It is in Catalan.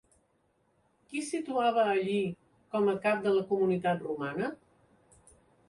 Qui situava a Lli com a cap de la comunitat romana?